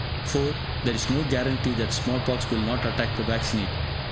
(4) There is no guarantee that small pox will not attack the vaccinated.